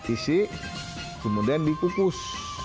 isi kemudian dipukus